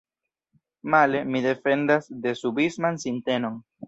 Male, mi defendas desubisman sintenon.